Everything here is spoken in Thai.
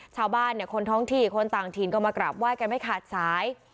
ชาวบ้านเนี่ยคนท้องที่คนต่างถิ่นก็มากราบไห้กันไม่ขาดสาย